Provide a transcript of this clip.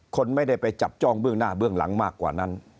คนไม่ได้ไปจับจ้องเบื้องหน้าเบื้องหลังมากกว่านั้น